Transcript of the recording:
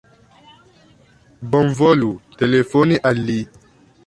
Bonvolu telefoni al li.